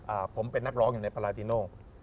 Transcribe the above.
อ่าผมเป็นนักร้องในปาราติโน